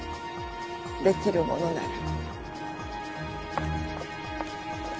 出来るものなら。